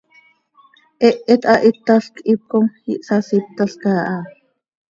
Hehet hahítalc hipcom ihsasíptalca aha.